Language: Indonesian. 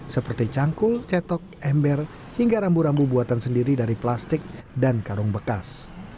seperti cangkul cetok ember hingga rambu rambu buatan sendiri dari plastik dan karung bekas